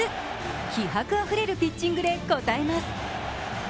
気迫あふれるピッチングで応えます。